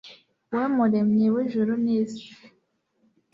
We Muremyi w’ijuru n’isi